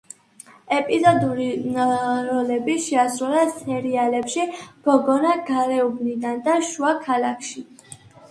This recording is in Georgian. ეპიზოდური როლები შეასრულა სერიალებში „გოგონა გარეუბნიდან“ და „შუა ქალაქში“.